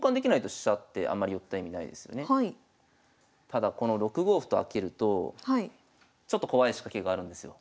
ただこの６五歩と開けるとちょっと怖い仕掛けがあるんですよ。